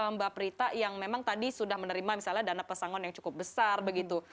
mbak prita yang memang tadi sudah menerima misalnya dana pesangon yang cukup besar begitu